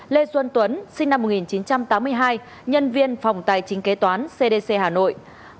lê xuân tuấn sinh năm một nghìn chín trăm tám mươi hai nhân viên phòng tài chính kế toán cdc hà nội